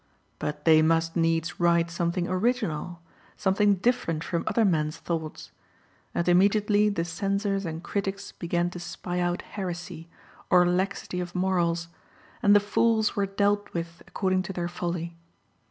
But they must needs write something original, something different from other men's thoughts; and immediately the censors and critics began to spy out heresy, or laxity of morals, and the fools were dealt with according to their folly.